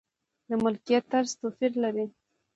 د ملکیت طرز توپیر لري.